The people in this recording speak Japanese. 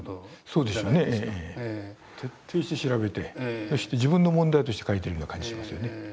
そうでしょうね徹底して調べてそして自分の問題として描いてるような感じしますよね。